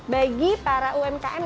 bagi para umkm indonesia